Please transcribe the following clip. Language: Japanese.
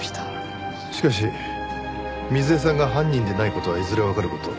しかし瑞枝さんが犯人でない事はいずれわかる事。